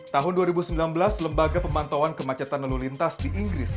tahun dua ribu sembilan belas lembaga pemantauan kemacetan lalu lintas di inggris